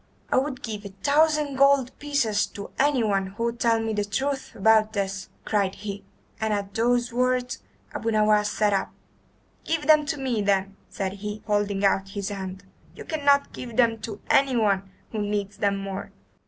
"I would give a thousand gold pieces to anyone who would tell me the truth about this," cried he, and at the words Abu Nowas sat up. "Give them to me, then," said he, holding out his hand. "You cannot give them to anyone who needs them more."